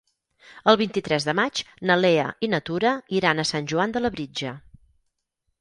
El vint-i-tres de maig na Lea i na Tura iran a Sant Joan de Labritja.